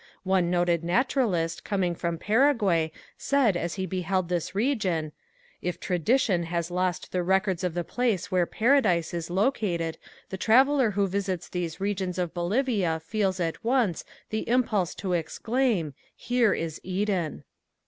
One noted naturalist coming from Paraguay said as he beheld this region, "If tradition has lost the records of the place where Paradise is located the traveler who visits these regions of Bolivia feels at once the impulse to exclaim: 'Here is Eden.'"